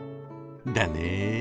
だね。